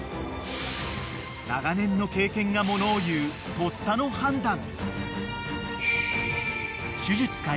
［長年の経験がものをいうとっさの判断］